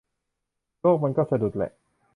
โลกมันก็สะดุดแหละ